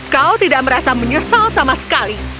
kau tidak merasa menyesal sama sekali